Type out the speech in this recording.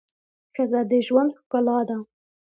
ښځه د ژوند ښکلا ده.